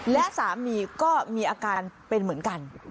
และสามีก็มีอาการเป็นเหมือนกัน